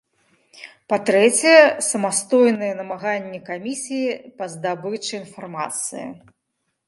Па-трэцяе, самастойныя намаганні камісіі па здабычы інфармацыі.